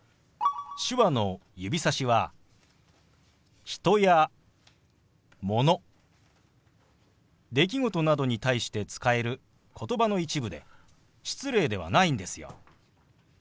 手話の指さしは人やもの出来事などに対して使える言葉の一部で失礼ではないんですよ。